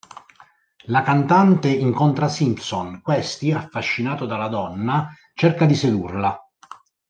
La cantante incontra Simpson: questi, affascinato dalla donna, cerca di sedurla.